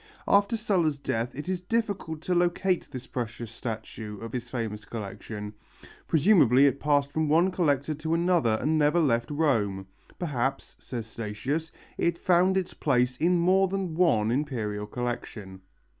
After Sulla's death it is difficult to locate this precious statue of his famous collection. Presumably it passed from one collector to another, and never left Rome. "Perhaps," says Statius, "it found its place in more than one Imperial collection."